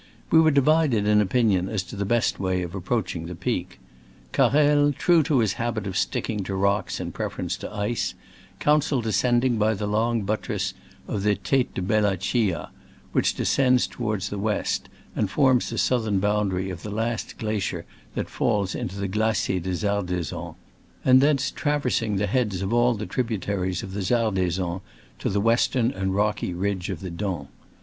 We were divided in opinion as to the best way of approaching the peak. Carrel, true to his habit of sticking to rocks in preference to ice, counseled ascending by the long buttress of the Tete de Bel la Cia (which descends toward the west, and forms the southern boundary of the last glacier that falls into the Glacier de Zardesan), and thence traversing the heads of all the tributaries of the Zarde san to the western and rocky ridge of the Dent.